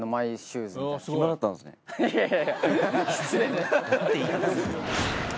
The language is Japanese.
いやいや。